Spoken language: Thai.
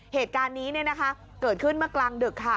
เหตุการณ์นี้เนี่ยนะคะเกิดขึ้นเมื่อกลางดึกค่ะ